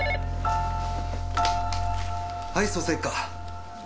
はい捜査一課。